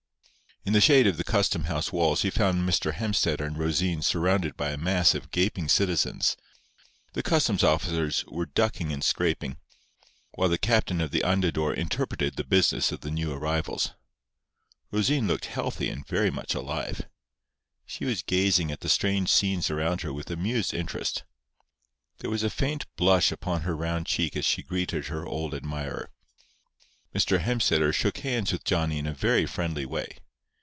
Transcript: In the shade of the custom house walls he found Mr. Hemstetter and Rosine surrounded by a mass of gaping citizens. The customs officers were ducking and scraping, while the captain of the Andador interpreted the business of the new arrivals. Rosine looked healthy and very much alive. She was gazing at the strange scenes around her with amused interest. There was a faint blush upon her round cheek as she greeted her old admirer. Mr. Hemstetter shook hands with Johnny in a very friendly way.